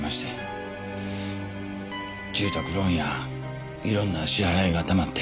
住宅ローンやいろんな支払いがたまって。